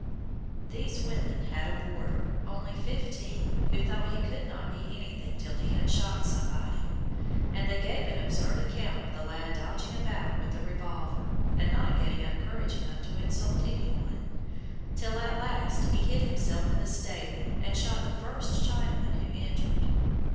These women had a boarder, only fifteen, who thought he could not be anything till he had shot somebody, and they gave an absurd account of the lad dodging about with a revolver, and not getting up courage enough to insult any one, till at last he hid himself in the stable and shot the first Chinaman who entered.